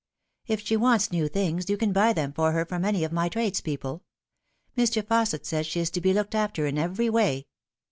" If she wants new things, you can buy them for her from any of my tradespeople. Mr. Fausset says she is to be looked after in every way.